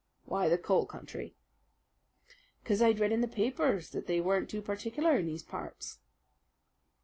"Why the coal country?" "'Cause I'd read in the papers that they weren't too particular in those parts."